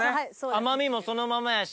甘みもそのままやし。